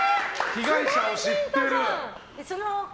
被害者を知っている。